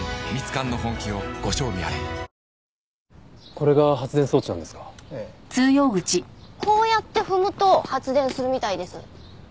こうやって踏むと発電するみたいです。